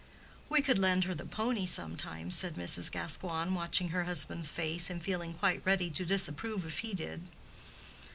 "We could lend her the pony sometimes," said Mrs. Gascoigne, watching her husband's face, and feeling quite ready to disapprove if he did.